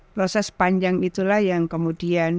proses panjang itulah yang kemudian